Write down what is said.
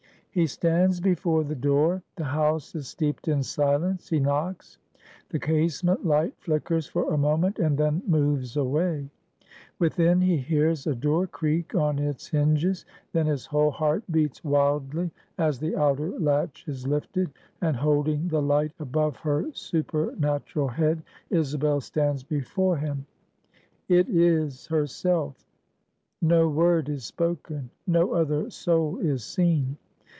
He stands before the door; the house is steeped in silence; he knocks; the casement light flickers for a moment, and then moves away; within, he hears a door creak on its hinges; then his whole heart beats wildly as the outer latch is lifted; and holding the light above her supernatural head, Isabel stands before him. It is herself. No word is spoken; no other soul is seen.